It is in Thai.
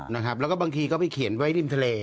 ถูกครับแล้วก็บางทีเขาไปเขียนไว้ริมทะเล